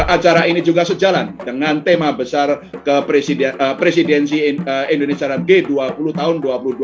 acara ini juga sejalan dengan tema besar presidensi indonesia g dua puluh tahun dua ribu dua puluh dua